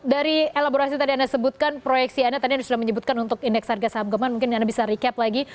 dari elaborasi tadi anda sebutkan proyeksi anda tadi anda sudah menyebutkan untuk indeks harga saham gemah mungkin anda bisa recap lagi